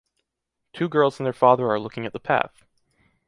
Two girls and their father are looking at the path.